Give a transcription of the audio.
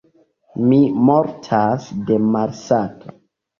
Mi mortas de malsato!